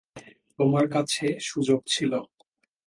তোমার কাছে সুযোগ ছিল।